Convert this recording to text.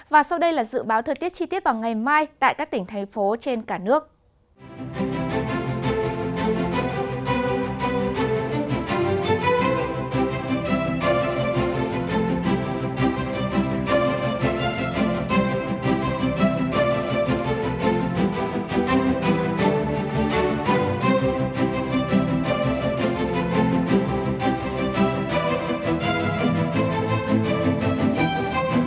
và sau đây là dự báo thời tiết chi tiết vào ngày mai tại các tỉnh thành phố trên cả nước